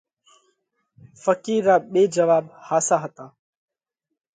ڦقِير را ٻئي جواٻ ۿاسا هتا۔